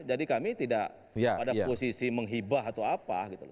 jadi kami tidak pada posisi menghibah atau apa gitu